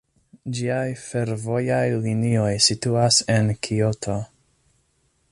Ĝiaj fervojaj linioj situas en Kioto.